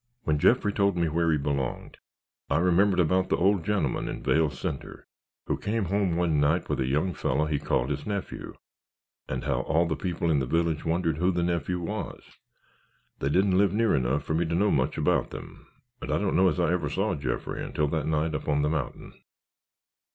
When Jeffrey told me where he belonged I remembered about the old gentleman in Vale Centre who came home one time with a young fellow he called his nephew and how all the people in the village wondered who the nephew was. They didn't live near enough for me to know much about them and I don't know as I ever saw Jeffrey until that night up on the mountain.